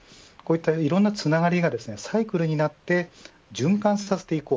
いろんなつながりがサイクルになって循環させていこう。